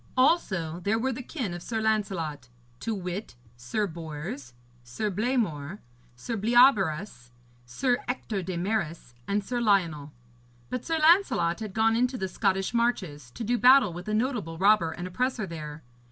Also there were the kin of Sir Lancelot, to wit, Sir Bors, Sir Blamore, Sir Bleobaris, Sir Ector de Maris, and Sir Lionel. But Sir Lancelot had gone into the Scottish marches, to do battle with a notable robber and oppressor there.